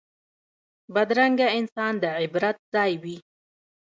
بدرنګه انسان د عبرت ځای وي